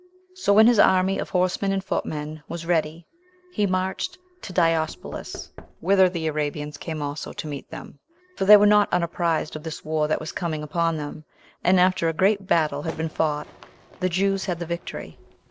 So when his army of horsemen and footmen was ready, he marched to Diospolis, whither the Arabians came also to meet them, for they were not unapprized of this war that was coming upon them; and after a great battle had been fought, the Jews had the victory.